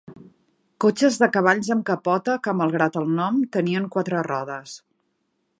Cotxes de cavalls amb capota que, malgrat el nom, tenien quatre rodes.